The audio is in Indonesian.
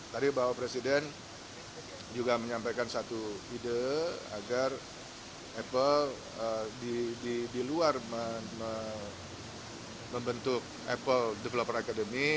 tadi bapak presiden juga menyampaikan satu ide agar apple di luar membentuk apple developer academy